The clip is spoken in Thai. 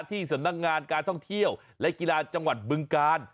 ที่สำนักงานการท่องเที่ยวและกีฬาจังหวัดบึงกาล